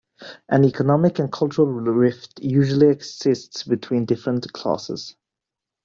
An economic and cultural rift usually exists between different classes.